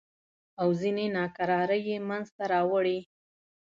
او ځینې ناکرارۍ یې منځته راوړې.